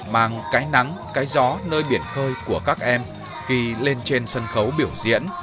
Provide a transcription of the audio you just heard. mang cái nắng cái gió nơi biển khơi của các em khi lên trên sân khấu biểu diễn